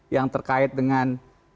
yang terkait dengan